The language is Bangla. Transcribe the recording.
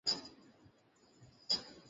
এর দৈর্ঘ্য বুঝে উঠতে পারছি না।